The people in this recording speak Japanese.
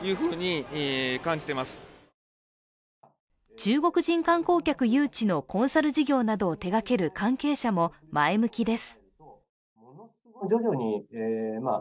中国人観光客誘致のコンサルタント事業などを手がける関係者も前向きです。